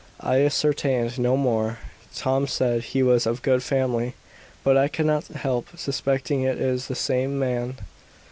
I ascertained no more. Tom said he was of good family. But I cannot help suspecting it is the same man."